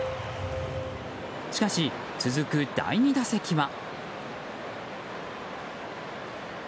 しかし、続く第２打席は。